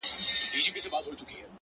خوله يوه ښه ده ـ خو خبري اورېدل ښه دي ـ